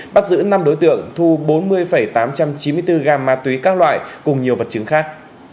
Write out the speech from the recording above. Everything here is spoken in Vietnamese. bắt giữ năm đối tượng thu bốn mươi tám trăm chín mươi bốn gam ma túy các loại cùng nhiều vật chứng khác